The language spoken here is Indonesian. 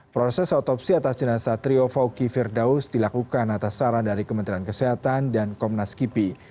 proses otopsi atas jenazah trio fawki firdaus dilakukan atas saran dari kementerian kesehatan dan komnas kipi